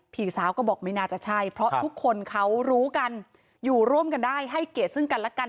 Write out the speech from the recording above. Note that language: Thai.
พี่สาวก็บอกไม่น่าจะใช่เพราะทุกคนเขารู้กันอยู่ร่วมกันได้ให้เกียรติซึ่งกันและกัน